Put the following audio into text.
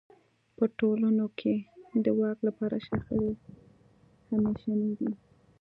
په ټولنو کې د واک لپاره شخړې همېشنۍ دي.